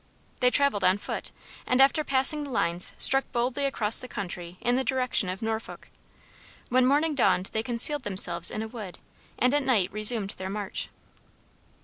They traveled on foot, and after passing the lines struck boldly across the country in the direction of Norfolk. When morning dawned they concealed themselves in a wood and at night resumed their march.